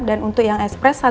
dan untuk yang express